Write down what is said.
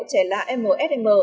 trẻ lạ msm